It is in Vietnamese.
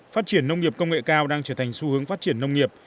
phát triển nông nghiệp công nghệ cao đang trở thành xu hướng phát triển nông nghiệp